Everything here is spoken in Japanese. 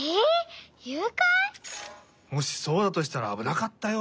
もしそうだとしたらあぶなかったよ。